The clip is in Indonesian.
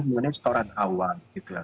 mengenai setoran awal gitu lah